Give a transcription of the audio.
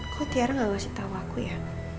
kok tiara gak ngasih tahu aku ya